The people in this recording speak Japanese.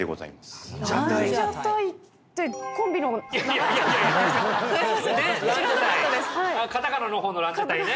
カタカナの方のランジャタイね。